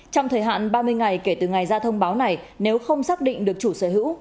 trong thời hạn ba mươi ngày kể từ ngày ra thông báo này nếu không xác định được chủ sở hữu